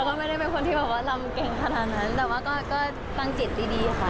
ก็ไม่ได้เป็นคนที่แบบว่ารำเก่งขนาดนั้นแต่ว่าก็ตั้งจิตดีค่ะ